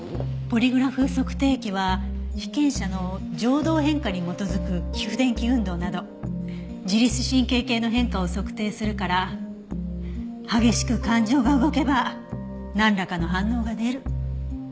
ポリグラフ測定器は被験者の情動変化に基づく皮膚電気運動など自律神経系の変化を測定するから激しく感情が動けばなんらかの反応が出る。